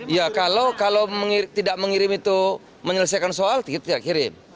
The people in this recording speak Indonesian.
ya kalau tidak mengirim itu menyelesaikan soal kita kirim